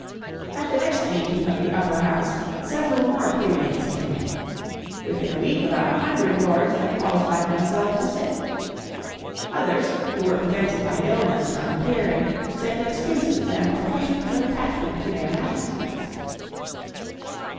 At the next meeting of the Upper House several more prelates came in. Within a week about a hundred Lords had qualified themselves to sit. Others, who were prevented by illness from appearing, sent excuses and professions of attachment to their Majesties.